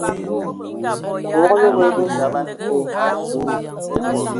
Vogolo mbol bə sogo ai nye a mvus.